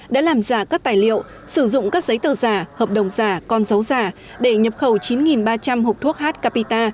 đã làm giả các tài liệu sử dụng các giấy tờ giả hợp đồng giả con dấu giả để nhập khẩu chín ba trăm linh hộp thuốc h capita